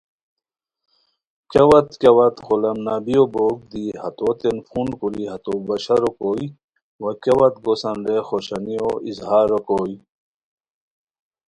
کیہ وت کیہ وت غلام نبیو بوک دی ہتوتین فون کوری ہتو بشارو کوئے وا کیہ وت گوسان رے خوشانیو اظہارو کوئے